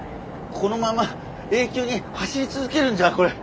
このまま永久に走り続けるんじゃこれ。